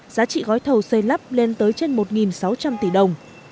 giá trị gói thầu xây lắp lên tới trên một sáu trăm linh tỷ đồng